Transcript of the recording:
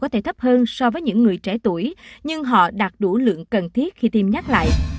có thể thấp hơn so với những người trẻ tuổi nhưng họ đạt đủ lượng cần thiết khi tiêm nhắc lại